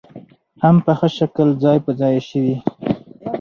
هم په ښه شکل ځاى په ځاى شوې .